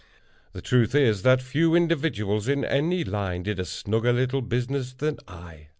The truth is, that few individuals, in any line, did a snugger little business than I.